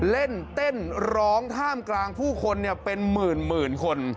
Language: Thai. เล่นเต้นร้องท่ามกลางผู้คนเป็นหมื่นคน